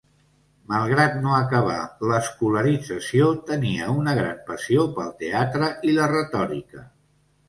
Malgrat no acabar l'escolarització, tenia una gran passió pel teatre i la retòrica.